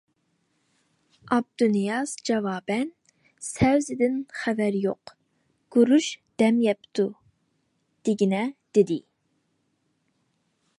ئابدۇنىياز جاۋابەن:-« سەۋزىدىن خەۋەر يوق، گۈرۈچ دەم يەپتۇ» دېگىنە،- دېدى.